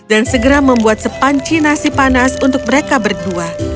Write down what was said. dan segera membuat sepanci nasi panas untuk mereka berdua